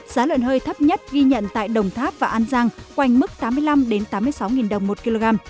giá lợn hơi thấp nhất ghi nhận tại đồng tháp và an giang quanh mức tám mươi năm tám mươi sáu đồng một kg